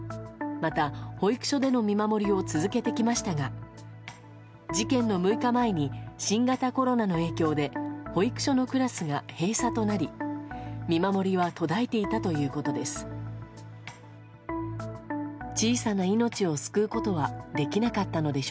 また、保育所での見守りを続けてきましたが事件の６日前に新型コロナの影響で保育所のクラスが閉鎖となり見守りは途絶えていたということです。